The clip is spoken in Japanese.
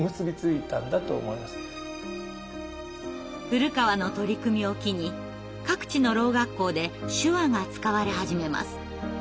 古河の取り組みを機に各地の聾学校で手話が使われ始めます。